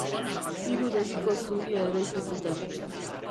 Hiru begiko zubia eraiki zuten.